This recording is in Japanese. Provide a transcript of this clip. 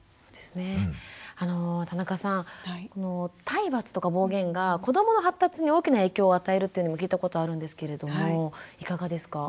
体罰とか暴言が子どもの発達に大きな影響を与えるっていうのも聞いたことあるんですけれどもいかがですか？